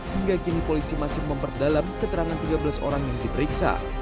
hingga kini polisi masih memperdalam keterangan tiga belas orang yang diperiksa